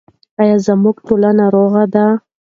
آیا زموږ ټولنه روغه ده؟